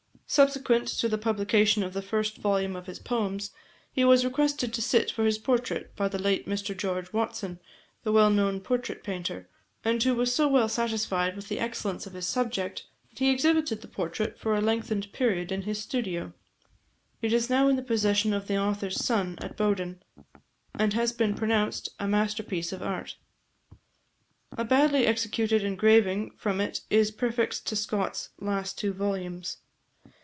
Subsequent to the publication of the first volume of his poems, he was requested to sit for his portrait by the late Mr George Watson, the well known portrait painter; and who was so well satisfied with the excellence of his subject, that he exhibited the portrait for a lengthened period in his studio. It is now in the possession of the author's son at Bowden, and has been pronounced a masterpiece of art. A badly executed engraving from it is prefixed to Scott's last two volumes.